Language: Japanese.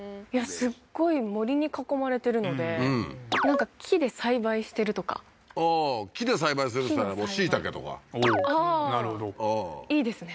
すっごい森に囲まれてるのでなんか木で栽培してるとかああー木で栽培するっていうのは椎茸とかああーいいですね